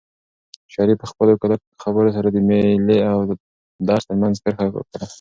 شریف په خپلو کلکو خبرو سره د مېلې او درس ترمنځ کرښه راښکله.